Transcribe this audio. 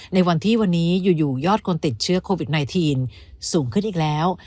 ในวันที่วันนี้อยู่ยอดคนติดเชื้อโควิด๑๙สูงขึ้นอีกแล้ว